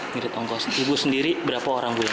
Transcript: ngirit ongkos ibu sendiri berapa orang boleh